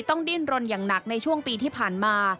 ดิ้นรนอย่างหนักในช่วงปีที่ผ่านมา